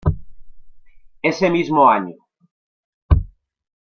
Ese mismo año.